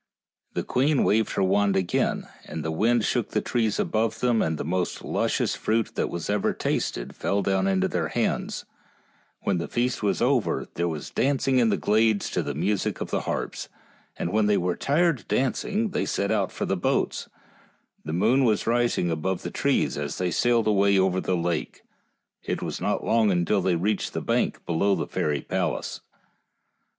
And the queen waved her wand again, and wind shook the trees above them, and the most luscious fruit that was ever tasted fell down into their hands; and when I In 1 feast was over there was dancing in the glades to the music of the 60 FAIRY TALES harps, and when they were tired dancing they set out for the boats, and the moon was rising above the trees as they sailed away over the lake, and it was not long until they reached the bank below the fairy palace.